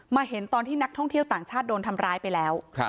เห็นตอนที่นักท่องเที่ยวต่างชาติโดนทำร้ายไปแล้ว